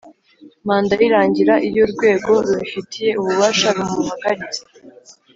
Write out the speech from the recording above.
manda ye irangira iyo urwego rubifitiye ububasha rumuhagaritse